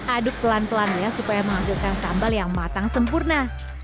aduk pelan pelannya supaya menghasilkan sambal yang matang sempurna